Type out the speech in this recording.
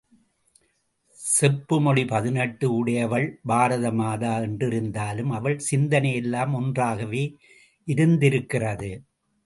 செப்பு மொழி பதினெட்டு உடையவள் பாரத மாதா என்றிருந்தாலும் அவள் சிந்தனை எல்லாம் ஒன்றாகவே இருந்திருக்கிறது.